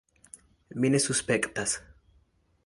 Mi ne suspektas.